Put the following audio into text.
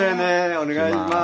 お願いします。